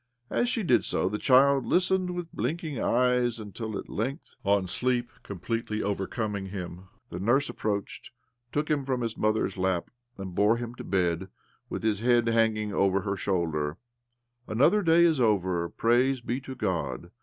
As she did so the child listened with blinking eyes ; until at length, on sleep completely over coming him, the nurse approached, took him from his mother's lap, and bore him to bed, with his head hanging over her shoulder, " Another day is over, praise be to God